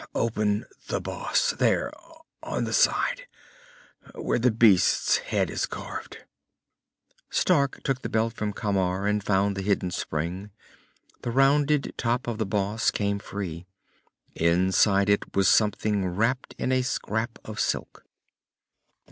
Open the boss there, on the side, where the beast's head is carved...." Stark took the belt from Camar and found the hidden spring. The rounded top of the boss came free. Inside it was something wrapped in a scrap of silk.